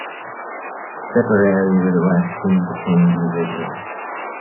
Tipperary were the last team to claim the original.